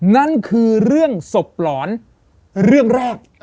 นั่นคือเรื่องศพหลอนเรื่องแรก